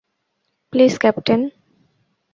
Please, captain.